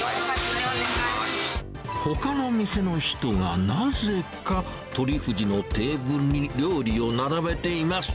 ほかの店の人がなぜか、とりふじのテーブルに料理を並べています。